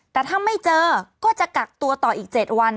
แต่ถ้าไม่เจอก็จะกักตัวต่ออีก๗วัน